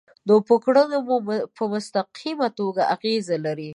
نو پر کړنو مو په مستقیمه توګه اغیز لري.